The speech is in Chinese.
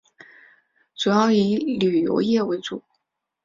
主要以旅游业为主。